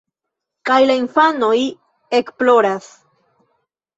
Kaj la infanoj ekploras.